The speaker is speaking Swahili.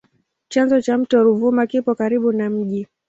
Chanzo cha mto Ruvuma kipo karibu na mji.